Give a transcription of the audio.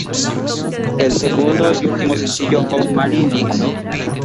El segundo y último sencillo "How Many Licks?